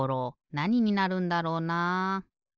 なにになるんだろうなあ？